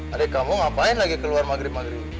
adik kamu ngapain lagi keluar maghrib maghrib